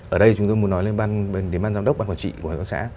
ở đây chúng tôi muốn nói lên ban giám đốc ban quản trị của hợp tác xã